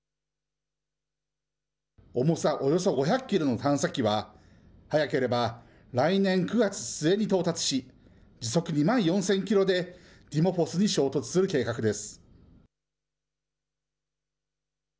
重さおよそ５００キロの探査機は、早ければ来年９月末に到達し、時速２万４０００キロで、ディモフォスに衝突する計画です。